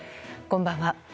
こんばんは。